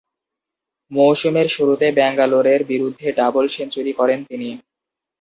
মৌসুমের শুরুতে ব্যাঙ্গালোরের বিরুদ্ধে ডাবল সেঞ্চুরি করেন তিনি।